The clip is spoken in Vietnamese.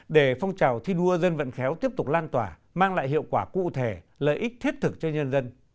để phong trào thi đua dân vận khéo tiếp tục lan tỏa mang lại hiệu quả cụ thể lợi ích thiết thực cho nhân dân